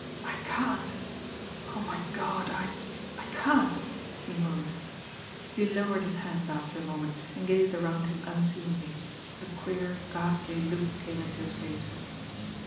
"I can't! Oh, my God, I I can't!" he moaned. He lowered his hands after a moment, and gazed around him unseeingly, a queer, ghastly look came into his face.